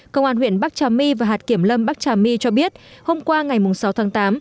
công an huyện bắc trà my và hạt kiểm lâm bắc trà my cho biết hôm qua ngày sáu tháng tám